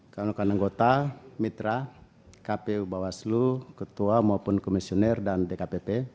kawan kawan anggota mitra kpu bawaslu ketua maupun komisioner dan dkpp